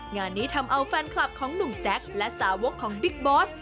งานนี้ทำเอาแฟนคลับของหนุ่มแจ๊คและสาวกของบิ๊กบอส